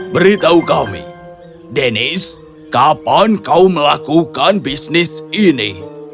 beritahu kami deniz kapan kau melakukan bisnis ini